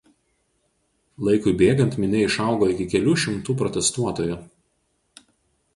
Laikui bėgant minia išaugo iki kelių šimtų protestuotojų.